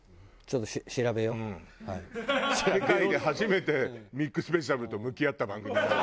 世界で初めてミックスベジタブルと向き合った番組になるわ。